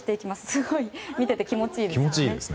すごい見ていて気持ちいいですね。